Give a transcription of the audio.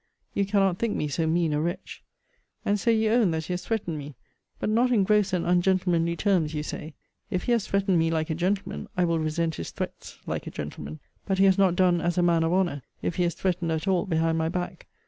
You cannot think me so mean a wretch. And so you own that he has threatened me; but not in gross and ungentlemanly terms, you say. If he has threatened me like a gentleman, I will resent his threats like a gentleman. But he has not done as a man of honour, if he has threatened at all behind my back.